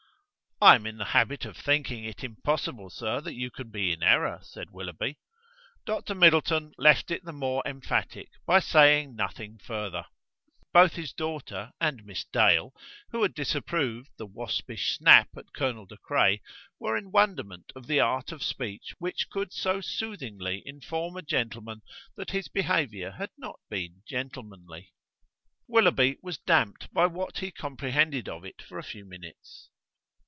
"I am in the habit of thinking it impossible, sir, that you can be in error," said Willoughby. Dr Middleton left it the more emphatic by saying nothing further. Both his daughter and Miss Dale, who had disapproved the waspish snap at Colonel De Craye, were in wonderment of the art of speech which could so soothingly inform a gentleman that his behaviour had not been gentlemanly. Willoughby was damped by what he comprehended of it for a few minutes.